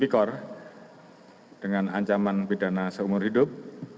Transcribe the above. tipikor dengan ancaman pidana seumur hidup